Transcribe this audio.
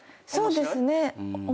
そうですね。